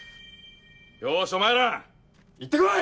よしお前ら行って来い！